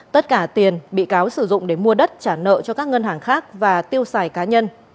tất cả tiền bị cáo sử dụng để mua đất trả nợ cho các ngân hàng khác và tiêu xài cá nhân